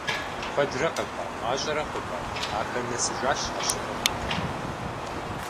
Куэдрэ къэкӀуа, мащӀэрэ къэкӀуа, ахэр нэсыжащ Ӏэщыхъуэхэм я хэкум.